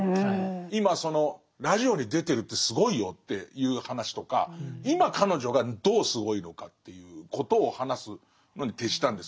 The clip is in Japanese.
今そのラジオに出てるってすごいよっていう話とか今彼女がどうすごいのかっていうことを話すのに徹したんですけど